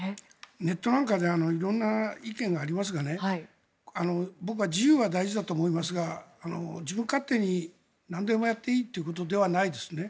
ネットなんかで色んな意見がありますが僕は自由は大事だと思いますが自分勝手になんでもやっていいということではないですね。